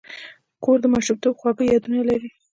کور د ماشومتوب خواږه یادونه لري.